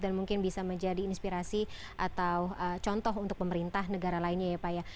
dan mungkin bisa menjadi inspirasi atau contoh untuk pemerintah negara lainnya ya pak ya